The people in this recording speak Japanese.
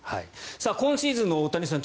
今シーズンの大谷さん